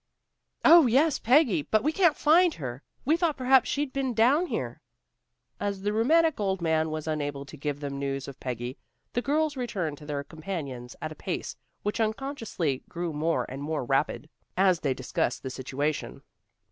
"Oh, yes, Peggy! But we can't find her. We thought perhaps she'd been down here." As the rheumatic old man was unable to give them news of Peggy, the girls returned to their companions at a pace which unconsciously grew more and more rapid, as they discussed the situation.